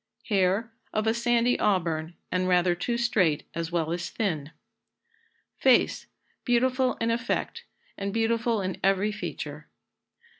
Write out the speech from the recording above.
Hair. Of a sandy auburn, and rather too straight as well as thin. Face. Beautiful in effect, and beautiful in every feature.